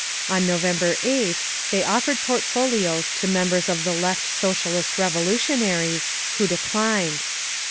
On November 8th they offered portfolios to members of the Left Socialist Revolutionaries, who declined.